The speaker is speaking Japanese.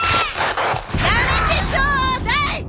やめてちょうだい！